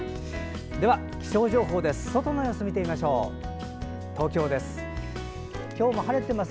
では気象情報です。